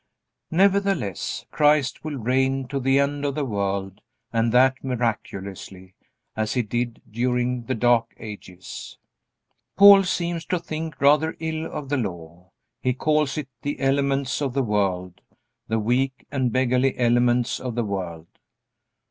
Nevertheless, Christ will reign to the end of the world, and that miraculously, as He did during the Dark Ages. Paul seems to think rather ill of the Law. He calls it the elements of the world, the weak and beggarly elements of the world.